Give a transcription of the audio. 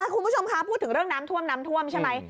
คุณผู้ชมคะพูดถึงเรื่องน้ำท่วมน้ำท่วมใช่ไหม